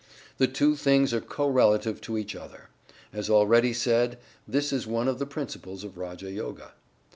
The two things are co relative to each other. As already said this is one of the principles of Raja Yoga.